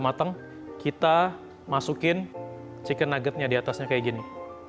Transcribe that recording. matang kita masukin chicken nuggetnya di atasnya kayak gini